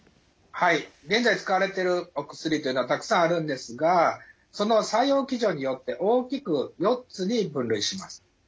はい現在使われてるお薬というのはたくさんあるんですがその作用機序によって大きく４つに分類します。